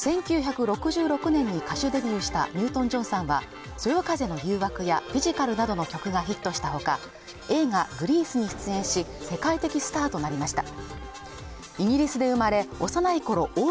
１９６６年に歌手デビューしたニュートン＝ジョンさんは「そよ風の誘惑」や「フィジカル」などの曲がヒットしたほか映画「グリース」に出演し世界的スターとなりました